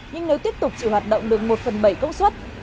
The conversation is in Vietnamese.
nhưng nếu tiếp tục chỉ hoạt động được một phần bảy công suất